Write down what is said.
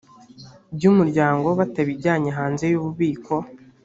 by’umuryango batabijyanye hanze y’ububiko